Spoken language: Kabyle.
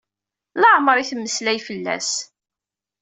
Laɛmeṛ i d-temmeslay fell-as.